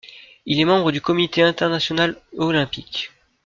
Il est membre du Comité international olympique.